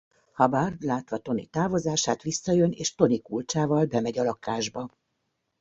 Hubbard látva Tony távozását visszajön és Tony kulcsával bemegy a lakásba.